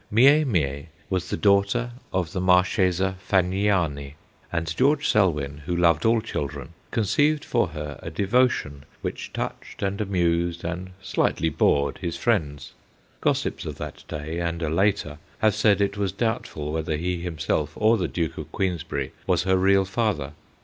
Mie Mie was the daughter of the Marchesa Fagniani; and George Selwyn, who loved all children, con ceived for her a devotion which touched and amused and slightly bored his friends. Gos sips of that day and a later have said it was doubtful whether he himself or the Duke of Queensberry was her real father.